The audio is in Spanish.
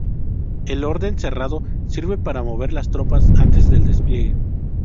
El orden cerrado sirve para mover las tropas antes del despliegue.